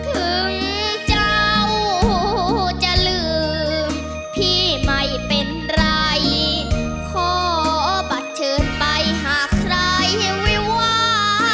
ถึงเจ้าจะลืมพี่ไม่เป็นไรขอบัตรเชิญไปหากใครวิวา